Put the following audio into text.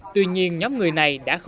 tuy nhiên nhóm người này đã khó khăn